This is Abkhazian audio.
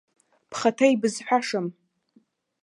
Бхаҭа ибызҳәашам.